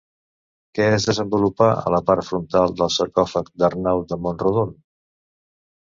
Què es desenvolupa a la part frontal del sarcòfag d'Arnau de Mont-rodon?